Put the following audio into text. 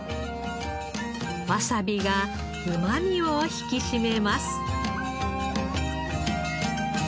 わさびがうまみを引き締めます。